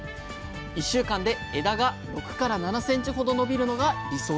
１週間で枝が６７ｃｍほど伸びるのが理想です。